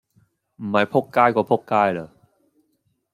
唔係仆街過仆街啦